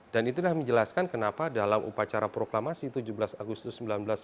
dan itulah menjelaskan kenapa dalam upacara proklamasi tujuh belas agustus seribu sembilan ratus empat puluh lima